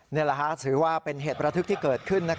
นี่แหละถือว่าเป็นเหตุประทึกที่เกิดขึ้น